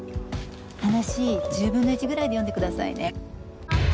話１０分の１ぐらいで読んでくださいね。